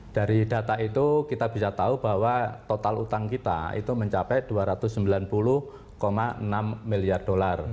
dari data itu kita bisa tahu bahwa total utang kita itu mencapai dua ratus sembilan puluh enam miliar dolar